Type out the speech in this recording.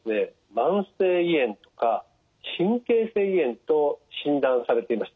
慢性胃炎とか神経性胃炎と診断されていました。